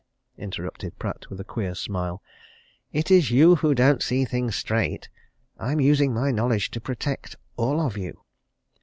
interrupted Pratt with a queer smile. "It's you who don't see things straight. I'm using my knowledge to protect all of you.